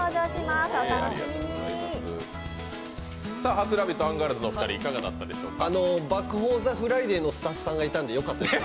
初「ラヴィット！」、アンガールズのお二人いかがでしたか。